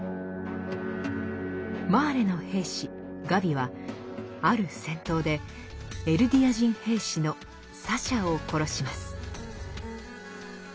マーレの兵士・ガビはある戦闘でエルディア人兵士のサシャを殺します。